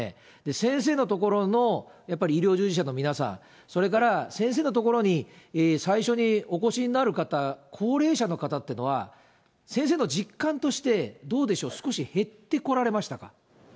先生のところのやっぱり医療従事者の皆さん、それから先生の所に最初にお越しになる方、高齢者の方っていうのは、先生の実感として、どうでしょう、少し減ってこられましたか？